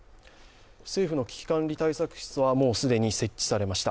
政府の危機管理対策室は既に設置されました。